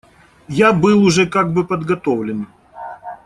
Я был уже как бы подготовлен.